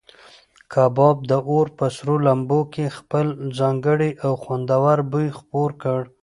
کباب د اور په سرو لمبو کې خپل ځانګړی او خوندور بوی خپور کړ.